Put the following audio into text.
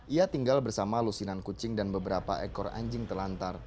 ia tinggal bersama lusinan kucing dan beberapa ekor anjing telantar